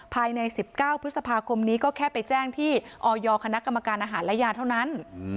ภายใน๑๙พฤษภาคมนี้ก็แค่ไปแจ้งที่ออยคณะกรรมการอาหารและยาเท่านั้น